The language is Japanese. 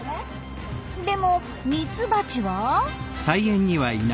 でもミツバチは？